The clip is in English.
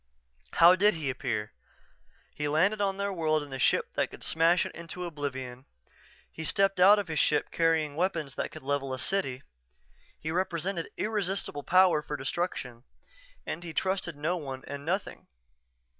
_" How did he appear?... He landed on their world in a ship that could smash it into oblivion; he stepped out of his ship carrying weapons that could level a city; he represented irresistible power for destruction and he trusted no one and nothing.